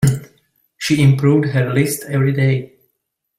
She improved her list every day.